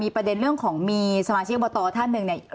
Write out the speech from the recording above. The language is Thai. มีประเด็นเรื่องของมีสมาชิกกระบว์ตอเท่านึงเนี้ย